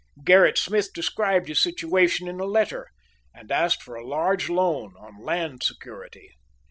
Gerrit Smith described his situation in a letter, and asked for a large loan on land security.